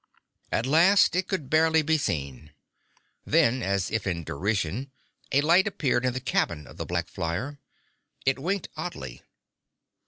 At last it could barely be seen. Then, as if in derision, a light appeared in the cabin of the black flyer. It winked oddly.